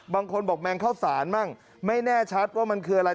บางคนบอกแมงเข้าสารมั่งไม่แน่ชัดว่ามันคืออะไร